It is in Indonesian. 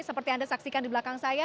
seperti yang anda saksikan di belakang saya